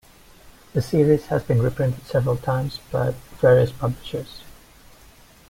The series has been reprinted several times by various publishers.